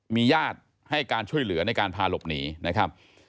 มีญาติให้การช่วยเหลือในการพาหลบหนีนะครับ